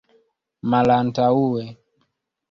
malantaŭe